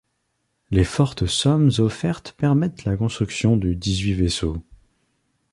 Les fortes sommes offertes permettent la construction de dix-huit vaisseaux.